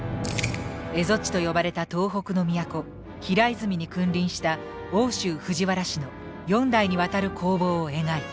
蝦夷地と呼ばれた東北の都平泉に君臨した奥州藤原氏の四代にわたる興亡を描いた。